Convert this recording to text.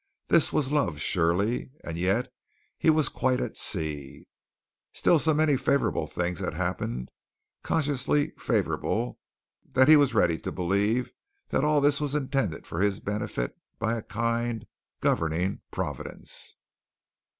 This was love surely, and yet he was quite at sea. Still so many favorable things had happened, consciously favorable, that he was ready to believe that all this was intended for his benefit by a kind, governing providence.